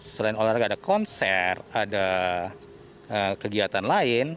selain olahraga ada konser ada kegiatan lain